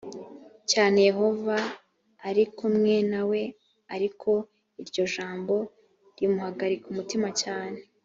cyane yehova i ari kumwe nawe ariko iryo jambo rimuhagarika umutima cyane